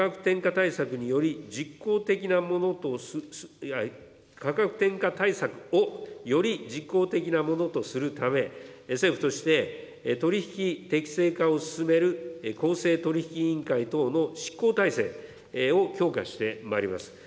加えて、価格転嫁対策により、より実効的なものとするため、政府として、取り引き適正化を進める公正取引委員会等の執行体制を強化してまいります。